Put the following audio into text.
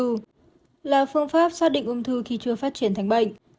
tầm soát ung thư là phương pháp xác định ung thư khi chưa phát triển thành bệnh